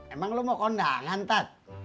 emang lu mau kondangan tat